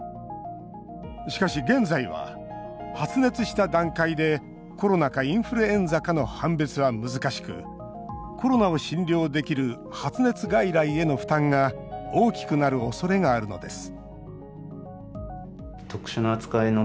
しかし現在は、発熱した段階でコロナかインフルエンザかの判別は難しくコロナを診療できる発熱外来への負担が大きくなるおそれがあるのです